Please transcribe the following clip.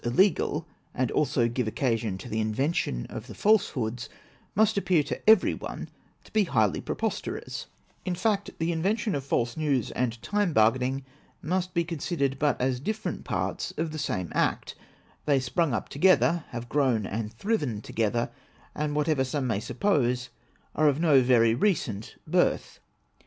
illegal, and also give occasion to the invention of the false hoods, must appear to every one to he highly preposterous ; in fact, the invention of false news and time bargaining, must be considered but as different parts of the same act ; they sprung up together — have grown and thriven together — and, whatever some may suppose, are of no very recent birth.